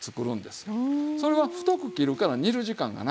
それは太く切るから煮る時間が長い。